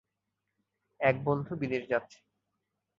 এক বন্ধু বিদেশ যাচ্ছে।